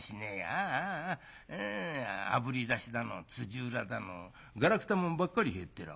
ああああぶり出しだのつじうらだのがらくたもんばっかり入ってらぁ。